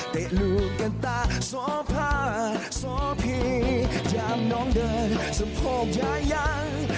เตะลูกกันตาซอผ้าสอผีจามน้องเดินสะโพกยายัง